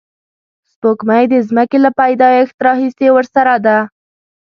سپوږمۍ د ځمکې له پیدایښت راهیسې ورسره ده